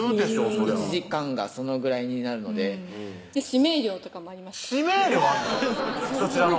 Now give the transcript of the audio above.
そりゃ１時間がそのぐらいになるので指名料とかもありました指名料あんの？